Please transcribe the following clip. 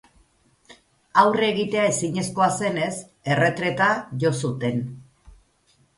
Aurre egitea ezinezkoa zenez, erretreta jo zuten.